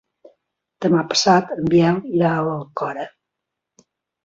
Demà passat en Biel irà a l'Alcora.